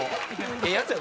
ええやつや。